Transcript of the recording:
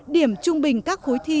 điểm trung bình các khối thi